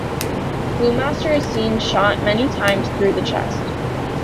Cluemaster is seen shot many times through the chest.